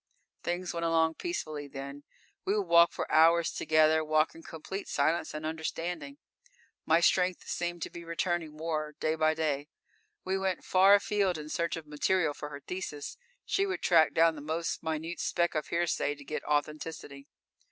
_ _Things, went along peacefully then. We would walk for hours together, walk in complete silence and understanding. My strength seemed to be returning more day by day. We went far afield in search of material for her thesis. She would track down the most minute speck of hearsay, to get authenticity.